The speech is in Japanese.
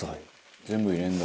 「全部入れるんだ」